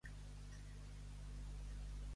Mirar contra Déu.